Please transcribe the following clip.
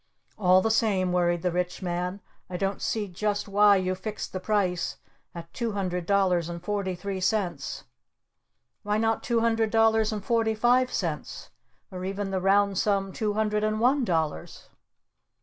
"All the same," worried the Rich Man, "I don't see just why you fixed the price at two hundred dollars and forty three cents? Why not two hundred dollars and forty five cents? Or even the round sum two hundred and one dollars?"